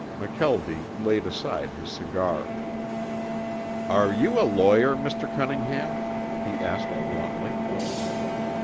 McKelvie laid aside his cigar. "Are you a lawyer, Mr. Cunningham?" he asked bluntly.